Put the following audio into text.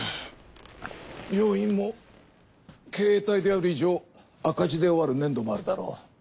病院も経営体である以上赤字で終わる年度もあるだろう。